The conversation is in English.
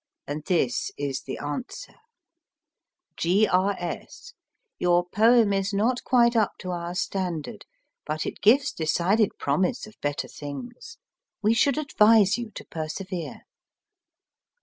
And this is the answer : G. R. S. Your poem is not quite up to our standard, but it gives decided promise of better things. We should advise you to persevere.